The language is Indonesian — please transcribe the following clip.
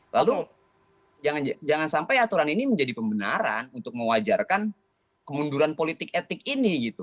lalu jangan sampai aturan ini menjadi pembenaran untuk mewajarkan kemunduran politik etik ini gitu